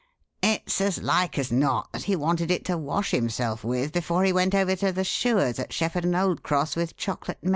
It's as like as not that he wanted it to wash himself with before he went over to the shoer's at Shepperton Old Cross with Chocolate Maid.